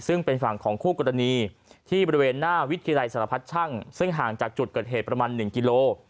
ซึ่งเป็นฝั่งของคู่กรณีที่บริเวณหน้าวิทยาลัยสารพัดช่างซึ่งห่างจากจุดเกิดเหตุประมาณ๑กิโล